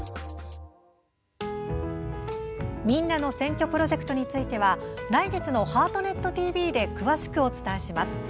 「みんなの選挙」プロジェクトについては来月の「ハートネットＴＶ」で詳しくお伝えします。